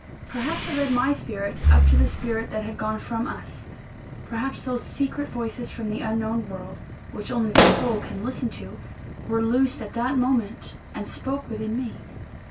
Perhaps it led my spirit up to the spirit that had gone from us perhaps those secret voices from the unknown world, which only the soul can listen to, were loosed at that moment, and spoke within me.